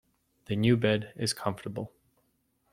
The new bed is comfortable.